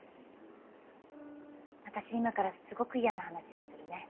私今からすごく嫌な話をするね。